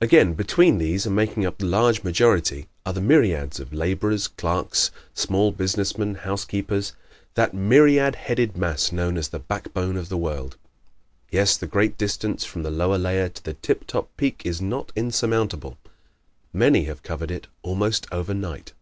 Again, between these, and making up the large majority, are the myriads of laborers, clerks, small business men, housekeepers that myriad headed mass known as "the back bone of the world." Yet the great distance from the lower layer to the tip top peak is not insurmountable. Many have covered it almost overnight.